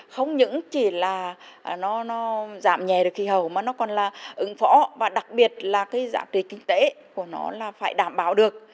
không những chỉ là nó giảm nhẹ được khí hậu mà nó còn là ứng phó và đặc biệt là cái giá trị kinh tế của nó là phải đảm bảo được